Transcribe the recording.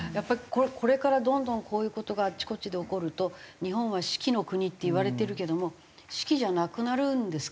これからどんどんこういう事があちこちで起こると日本は四季の国っていわれてるけども四季じゃなくなるんですか？